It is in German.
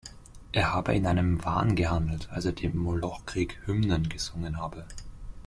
Er habe in einem „Wahn“ gehandelt, als er dem „Moloch Krieg“ „Hymnen“ gesungen habe.